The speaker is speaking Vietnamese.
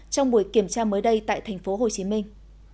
trong buổi kiểm tra mới đây tại thành phố hồ chí minh